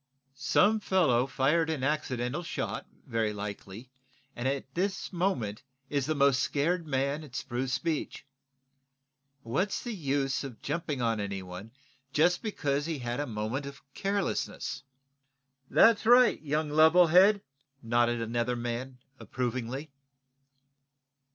"Some fellow fired an accidental shot, very likely, and is at this moment the most scared man at Spruce Beach. What's the use of jumping on anyone just because he had a moment of carelessness?" "That's right, young level head!" nodded another man, approvingly.